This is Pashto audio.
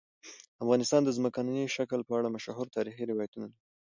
افغانستان د ځمکنی شکل په اړه مشهور تاریخی روایتونه لري.